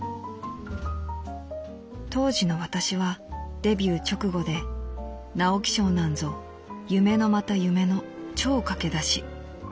「当時の私はデビュー直後で直木賞なんぞ夢のまた夢の超駆け出し。